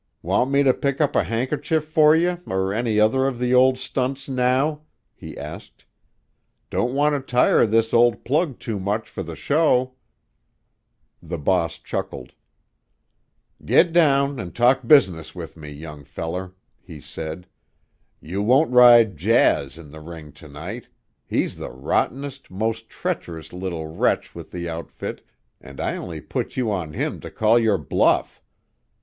"Want me to pick up a handkerchief for you, or any other of the old stunts, now?" he asked. "Don't want to tire this old plug too much for the show." The boss chuckled. "Get down and talk business with me, young feller," he said. "You won't ride Jazz in the ring to night; he's the rottenest, most treacherous little wretch with the outfit, and I only put you on him to call your bluff.